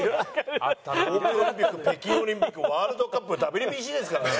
東京オリンピック北京オリンピックワールドカップＷＢＣですからね。